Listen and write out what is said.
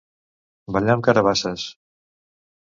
Ballar amb carabasses.